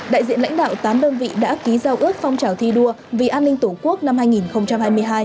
đại diện lãnh đạo tám đơn vị đã ký giao ước phong trào thi đua vì an ninh tổ quốc năm hai nghìn hai mươi hai